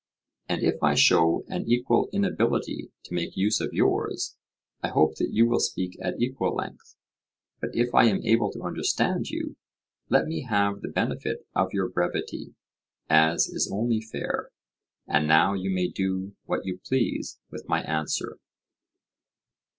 And if I show an equal inability to make use of yours, I hope that you will speak at equal length; but if I am able to understand you, let me have the benefit of your brevity, as is only fair: And now you may do what you please with my answer.